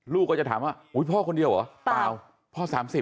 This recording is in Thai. ลูกก็จะถามว่าอุ๊ยพ่อคนเดียวเหรอเปล่าพ่อ๓๐